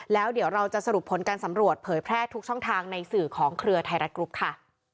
แล้วเดี๋ยวเราจะสรุปผลการสำรวจเผยแพร่ทุกช่องทางในสื่อของเครือไทยรัฐกรุ๊ปค่ะ